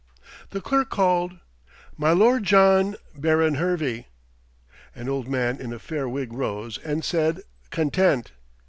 The clerk called, "My Lord John, Baron Hervey." An old man in a fair wig rose, and said, "Content."